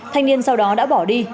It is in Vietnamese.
thanh niên sau đó đã bỏ đi